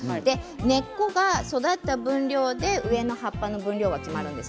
根っこが育った分量で上の葉っぱの分量が決まるんです。